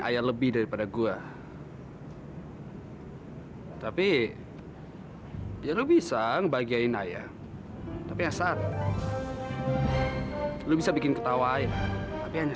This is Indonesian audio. ayah lebih daripada gua tapi dia bisa ngebahagiain ayah tapi saat lu bisa bikin ketawa ya tapi hanya